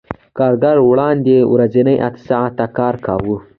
کارګر وړاندې د ورځې اته ساعته کار کاوه